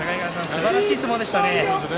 すばらしい相撲でしたね。